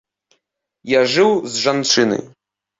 Я жыў з жанчынай.